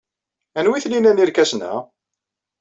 Anwa ay ten-ilan yirkasen-a?